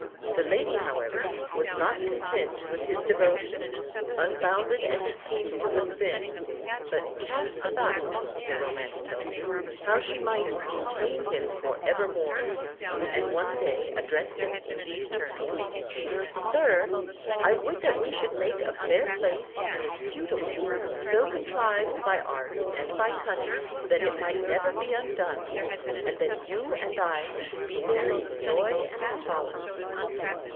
The lady, however, was not content with his devotion, unbounded as it seems to have been, but "cast about," the Romance tells us, how she might "detain him for evermore," and one day addressed him in these terms: "Sir, I would that we should make a fair place and a suitable, so contrived by art and by cunning that it might never be undone, and that you and I should be there in joy and solace."